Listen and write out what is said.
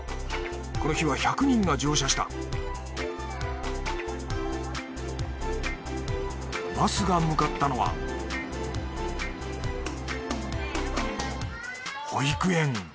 この日は１００人が乗車したバスが向かったのは保育園。